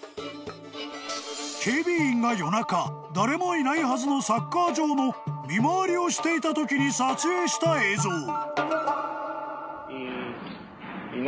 ［警備員が夜中誰もいないはずのサッカー場の見回りをしていたときに撮影した映像］